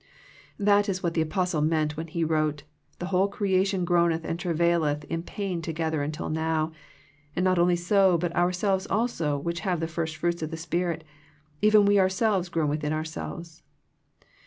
That is what the apostle meant when he wrote, "The whole creation groaneth and travaileth in pain together until now. And not only so, but ourselves also, which have the first fruits of the Spirit, even we our selves groan within ourselves."